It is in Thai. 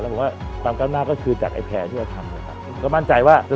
และผมว่าความกับน้ำคือจากแผงที่เราทำ